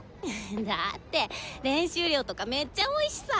だって練習量とかめっちゃ多いしさ。